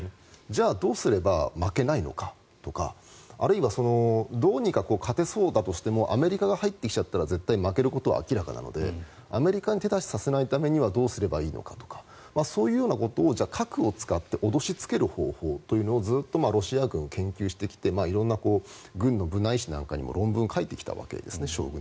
じゃあどうすれば負けないのかとかあるいはどうにか勝てそうだとしてもアメリカが入ってきちゃったら絶対に負けることは明らかなのでアメリカに手出しさせないためにはどうすればいいのかとかそういうようなことを核を使って脅しつける方法というのをずっとロシア軍は研究してきて色んな軍の部内紙なんかにも論文を将軍たちが書いてきたわけですね。